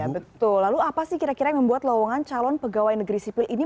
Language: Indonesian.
betul lalu apa sih kira kira yang membuat lowongan calon pegawai negeri sipil ini